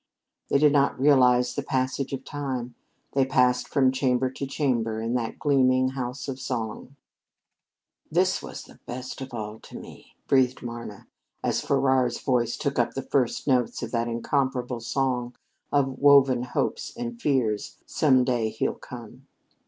They did not realize the passage of time. They passed from chamber to chamber in that gleaming house of song. "This was the best of all to me," breathed Marna, as Farrar's voice took up the first notes of that incomparable song of woven hopes and fears, "Some Day He'll Come."